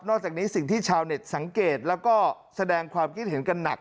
จากนี้สิ่งที่ชาวเน็ตสังเกตแล้วก็แสดงความคิดเห็นกันหนัก